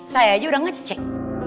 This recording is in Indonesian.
saya aja udah ngecek